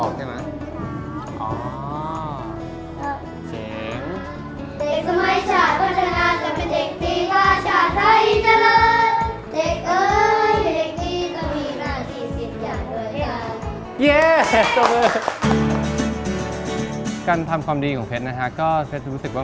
การทำความดีของเฟ้ครับก็รู้สึกว่า